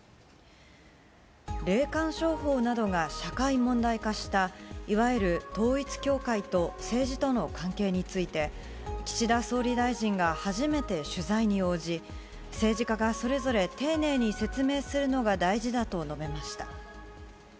霊感商法などが社会問題化した、いわゆる統一教会と政治との関係について、岸田総理大臣が初めて取材に応じ、政治家がそれぞれ丁寧に説明するのが大事だと述べました。